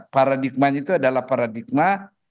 paradigmanya itu adalah paradigma